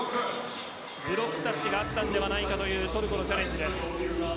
ブロックタッチがあったのではないかというチャレンジです。